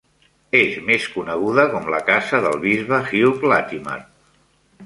És més coneguda com la casa del bisbe Hugh Latimer.